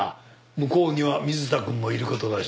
向こうには水田くんもいる事だし。